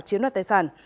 chiếm đoạt tài sản